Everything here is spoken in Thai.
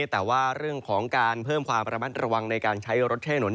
แต่ว่าเรื่องของการเพิ่มความระมัดระวังในการใช้รถแช่หนุน